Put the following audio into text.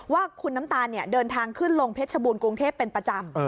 ว่าคุณน้ำตาลเดินทางขึ้นลงเพชรบูรณกรุงเทพเป็นประจำ